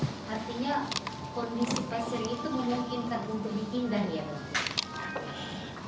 untuk dihindari ya bu